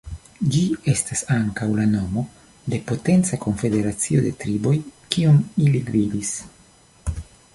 Ĝi estas ankaŭ la nomo de potenca konfederacio de triboj, kiun ili gvidis.